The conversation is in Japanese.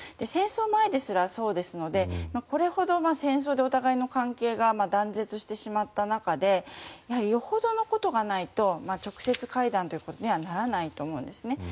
戦争前ですらそうですのでこれほど戦争でお互いの関係が断絶してしまった中でよほどのことがないと直接会談ということにはならないと思うんですね。